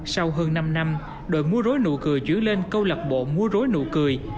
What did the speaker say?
sau hơn năm năm đội múa rối nụ cười chuyển lên câu lạc bộ mua rối nụ cười